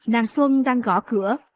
nàng xuân đang gõ cửa